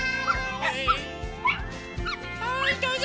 はいどうぞ！